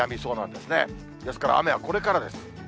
ですから、雨はこれからです。